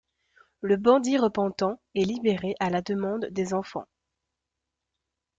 Le bandit repentant est libéré à la demande des enfants.